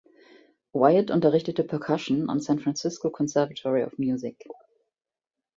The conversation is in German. Wyatt unterrichtet Perkussion am "San Francisco Conservatory of Musik".